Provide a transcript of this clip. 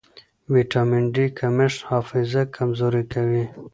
ویټامن ډي کمښت حافظه کمزورې کوي.